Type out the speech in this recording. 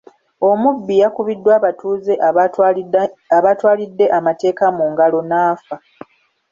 Omubbi yakubiddwa abatuuze abaatwalidde amateeka mu ngalo n'afa.